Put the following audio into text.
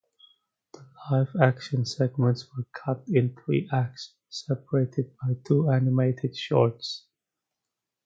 The live action segments were cut in three acts, separated by two animated shorts.